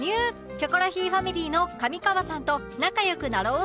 『キョコロヒー』ファミリーの上川さんと仲良くなろう！